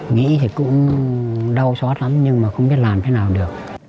nghĩ thì cũng đau xót lắm nhưng mà không biết làm thế nào được